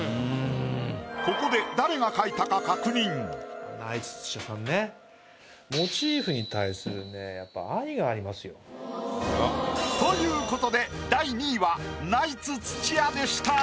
ここでナイツ土屋さんね。ということで第２位はナイツ土屋でした。